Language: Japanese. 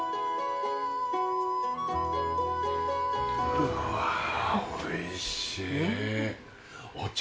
うわおいしい！